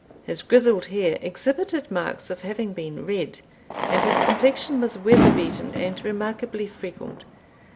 His grizzled hair exhibited marks of having been red, and his complexion was weather beaten, and remarkably freckled.